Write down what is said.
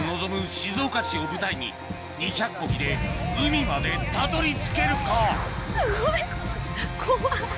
静岡市を舞台に２００こぎで海までたどり着けるか⁉すごい怖い。